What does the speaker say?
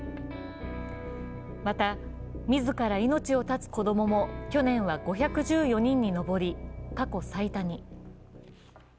また、自ら命を絶つ子供も去年は５１４人に上り、過去最多に。